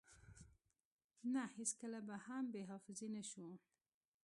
نه هیڅکله به هم بی حافظی نشو